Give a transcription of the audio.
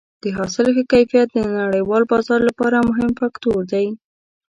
د حاصل ښه کیفیت د نړیوال بازار لپاره مهم فاکتور دی.